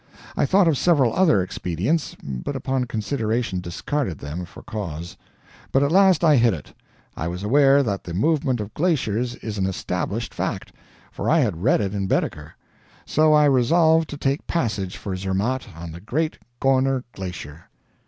I thought of several other expedients, but upon consideration discarded them, for cause. But at last I hit it. I was aware that the movement of glaciers is an established fact, for I had read it in Baedeker; so I resolved to take passage for Zermatt on the great Gorner Glacier.